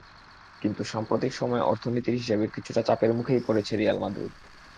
কিন্তু সাম্প্রতিক সময়ে অর্থনীতির হিসাবে কিছুটা চাপের মুখেই পড়েছে রিয়াল মাদ্রিদ।